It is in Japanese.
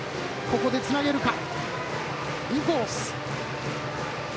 ここでつなげるか。